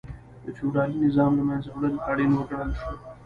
د فیوډالي نظام له منځه وړل اړین وګڼل شو.